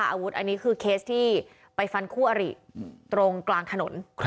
อาวุธอันนี้คือเคสที่ไปฟันคู่อริตรงกลางถนน